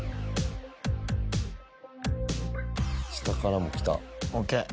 下からもきた。